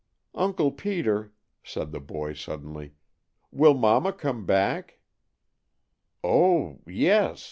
"Uncle Peter," said the boy suddenly, "will Mama come back?" "Oh, yes!"